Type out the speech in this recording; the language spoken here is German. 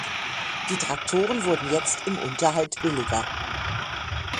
Die Traktoren wurden jetzt im Unterhalt billiger.